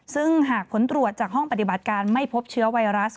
ซึ่งหากผลตรวจจากห้องปฏิบัติการไม่พบเชื้อไวรัส